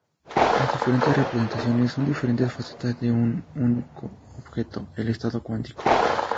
Las diferentes representaciones son diferentes facetas de un único objeto, el estado cuántico.